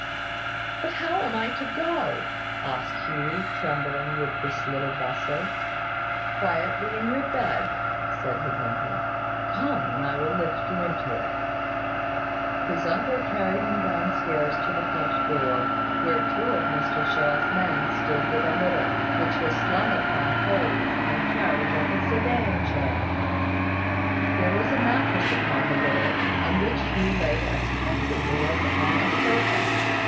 "But how am I to go?" asked Hugh, trembling with this little bustle. "Quietly in your bed," said his uncle. "Come, I will lift you into it." And his uncle carried him down stairs to the front door, where two of Mr Shaw's men stood with a litter, which was slung upon poles, and carried like a sedan chair. There was a mattress upon the litter, on which Hugh lay as comfortably as on a sofa.